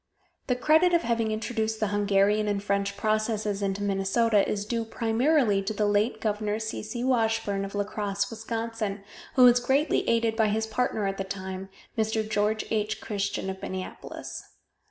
The credit of having introduced the Hungarian and French processes into Minnesota is due primarily to the late Gov. C. C. Washburn of La Crosse, Wis., who was greatly aided by his partner at the time, Mr. George H. Christian of Minneapolis.